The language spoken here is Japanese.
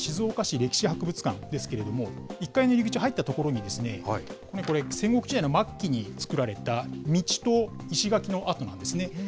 こちら、今月、グランドオープンした静岡市歴史博物館ですけれども、１階の入り口入った所に、これ、戦国時代の末期に作られた道と石垣のあとなんですね。